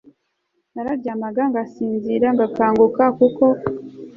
Nararyamaga ngasinzira Ngakanguka kuko